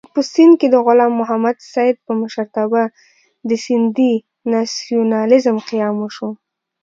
په سېند کې د غلام محمد سید په مشرتابه د سېندي ناسیونالېزم قیام وشو.